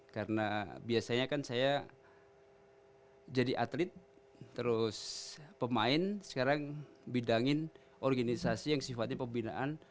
karena biasanya kan saya jadi atlet terus pemain sekarang bidangin organisasi yang sifatnya pembinaan